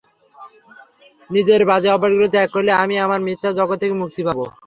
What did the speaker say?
নিজের বাজে অভ্যাসগুলো ত্যাগ করলে, আমি আমার মিথ্যার জগত থেকে মুক্তি পাবো।